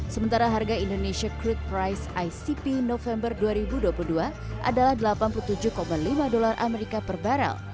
sementara harga indonesia crude price icp november dua ribu dua puluh dua adalah delapan puluh tujuh lima dolar amerika per barrel